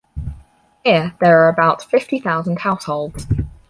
Here there are about fifty thousand households.